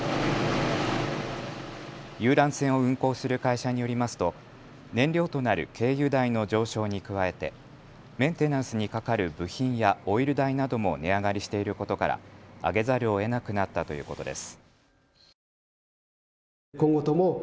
遊覧船を運航する会社によりますと燃料となる軽油代の上昇に加えメンテナンスにかかる部品やオイル代なども値上がりしていることから上げざるをえなくなったということです。